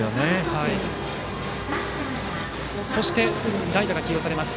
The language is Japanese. そして代打が起用されます。